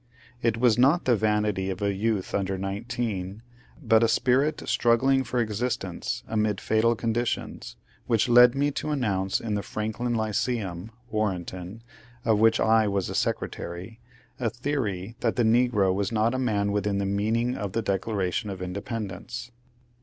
It was not the vanity of a youth under nineteen, but a spirit struggling for existence amid fatal conditions, which led me to announce in the Franklin Lyceum (Warrenton), of which I was secretary, a theory that the negro was not a man within the meaning of the Declaration of Independence.